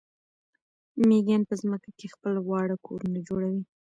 مېږیان په ځمکه کې خپل واړه کورونه جوړوي.